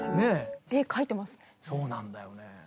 そうなんだよね。